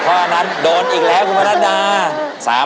เพราะฉะนั้นโดนอีกแล้วคุณพนันดา